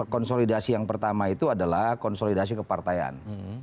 konsolidasi yang pertama itu adalah konsolidasi kepartaian